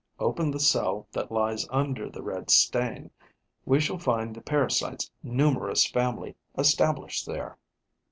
Open the cell that lies under the red stain: we shall find the parasite's numerous family established there.